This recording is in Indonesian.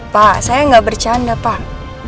pak saya gak bercanda pak